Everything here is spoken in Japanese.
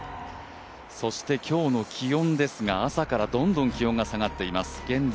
そして今日の気温ですが朝からどんどん下がっています。